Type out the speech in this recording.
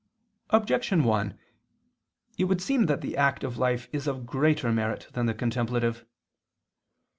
Objection 1: It would seem that the active life is of greater merit than the contemplative.